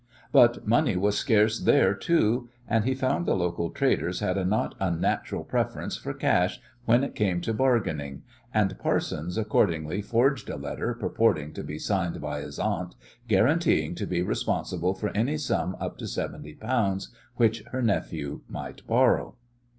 But money was scarce there, too, and he found the local traders had a not unnatural preference for cash when it came to bargaining, and Parsons accordingly forged a letter, purporting to be signed by his aunt, guaranteeing to be responsible for any sum up to seventy pounds which her nephew might borrow.